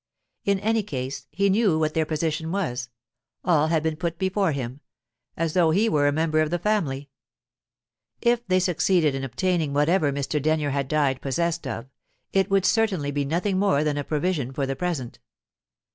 In any case, he knew what their position was; all had been put before him, as though he were a member of the family. If they succeeded in obtaining whatever Mr. Denyer had died possessed of, it would certainly be nothing more than a provision for the present.